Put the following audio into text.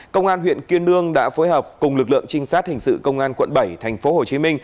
công an huyện kiên lương đã phối hợp cùng lực lượng trinh sát hình sự công an quận bảy tp hcm